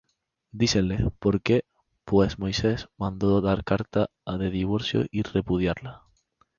Dícenle: ¿Por qué, pues, Moisés mandó dar carta de divorcio, y repudiarla?